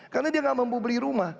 karena dia gak mampu beli rumah